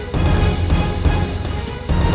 bisa dilihat tanggalnya ya